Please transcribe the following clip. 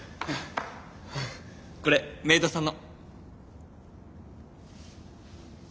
これメイドさんの。